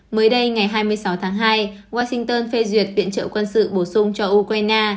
mới đây ngày hai mươi sáu tháng hai washington phê duyệt viện trợ quân sự bổ sung cho ukraine